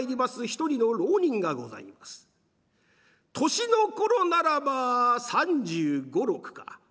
年の頃ならば３５３６か。